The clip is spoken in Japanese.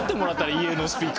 家のスピーカー。